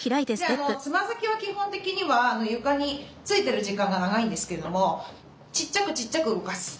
つま先は基本的には床についてる時間が長いんですけれどもちっちゃくちっちゃく動かす。